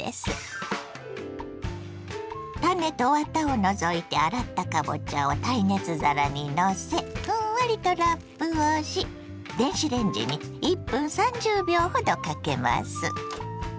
種とワタを除いて洗ったかぼちゃを耐熱皿にのせふんわりとラップをし電子レンジに１分３０秒ほどかけます。